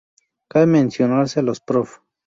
Cabe mencionarse a los Prof.